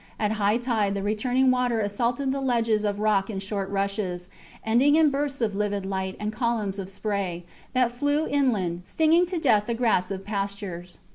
At high tide the returning water assaulted the ledges of rock in short rushes, ending in bursts of livid light and columns of spray, that flew inland, stinging to death the grass of pastures.